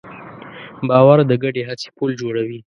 باور د ګډې هڅې پُل جوړوي.